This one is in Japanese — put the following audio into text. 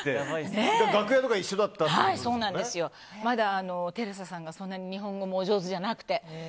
まだテレサさんが日本語お上手じゃなくて。